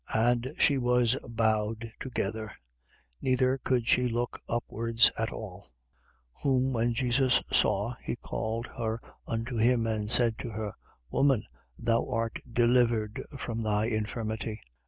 And she was bowed together: neither could she look upwards at all. 13:12. Whom when Jesus saw, he called her unto him and said to her: Woman, thou art delivered from thy infirmity.